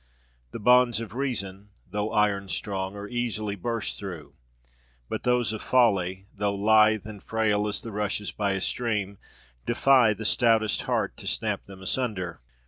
The bonds of reason, though iron strong, are easily burst through; but those of folly, though lithe and frail as the rushes by a stream, defy the stoutest heart to snap them asunder.